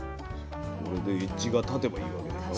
これでエッジが立てばいいわけでしょ。